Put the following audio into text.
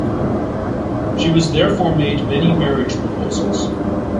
She was therefore made many marriage proposals.